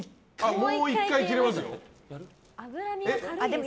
もう１回切れますよ。